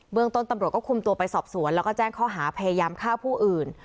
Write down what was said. เมืองต้นตำรวจก็คุมตัวไปสอบสวนแล้วก็แจ้งข้อหาพยายามฆ่าผู้อื่น